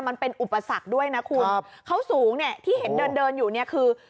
มันเป็นอุปสรรคด้วยนะคุณครับเขาสูงเนี่ยที่เห็นเดินเดินอยู่เนี่ยคือ